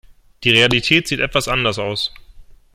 Die Realität sieht etwas anders aus.